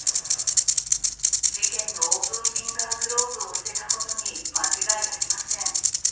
事件のオープンフィンガーグローブを捨てたことに間違いありません。